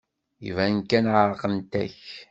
Iban kan ɛerqent-ak.